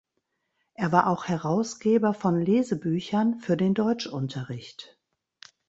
Er war auch Herausgeber von Lesebüchern für den Deutschunterricht.